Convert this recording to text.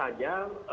ya tentu saja